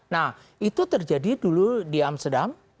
nah itu terjadi dulu di amsterdam